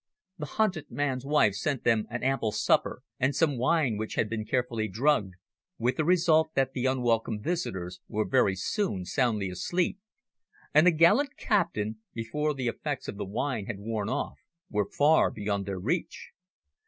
The hunted man's wife sent them an ample supper and some wine which had been carefully drugged, with the result that the unwelcome visitors were very soon soundly asleep, and the gallant captain, before the effects of the wine had worn off, were far beyond their reach.